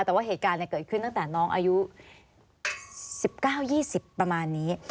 แต่ว่าเหตุการณ์เกิดขึ้นตั้งแต่น้องอายุ๑๙๒๐ประมาณนี้